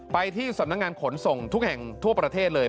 ไปที่สำนักงานขนส่งทุกแห่งทั่วประเทศเลย